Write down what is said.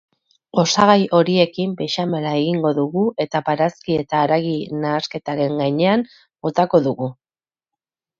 Osagai horiekin bexamela egingo dugu eta barazki eta haragi nahasketaren gainean botako dugu.